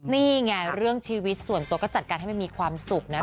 นี่ไงเรื่องชีวิตส่วนตัวก็จัดการให้มันมีความสุขนะคะ